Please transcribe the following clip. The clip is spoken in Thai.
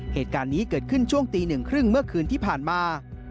เหตุการณ์นี้เกิดขึ้นช่วงตีหนึ่งครึ่งเมื่อคืนที่ผ่านมา